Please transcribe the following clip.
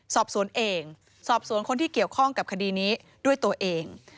สอบสวนเองสอบสวนคนที่เกี่ยวข้องกับคดีนี้ด้วยตัวเอง